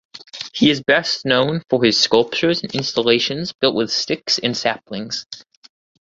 He is best known for his sculptures and installations built with sticks and saplings.